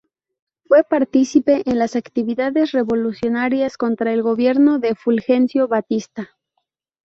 Fue partícipe en las actividades revolucionarias contra el gobierno de Fulgencio Batista.